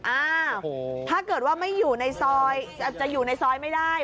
อ่าถ้าเกิดว่าไม่อยู่ในซอยอาจจะอยู่ในซอยไม่ได้